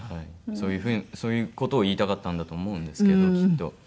そういう風そういう事を言いたかったんだと思うんですけどきっと。